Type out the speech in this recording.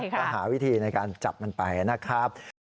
ก็หาวิธีในการจับมันไปนะครับ